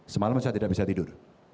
semalam saya tidak bisa tidur